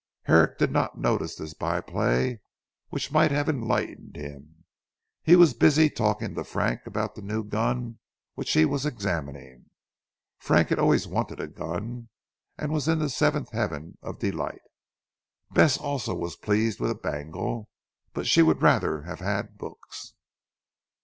Herrick did not notice this by play which might have enlightened him. He was busy talking to Frank about the new gun which he was examining. Frank had always wanted a gun and was in the seventh heaven of delight. Bess also was pleased with a bangle. But she would rather have had books.